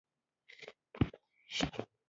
د ویښتو د تویدو د دوام لپاره د اوسپنې معاینه وکړئ